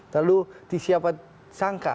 lalu siapa yang sangka